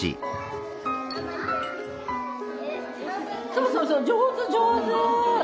そうそうそう上手上手！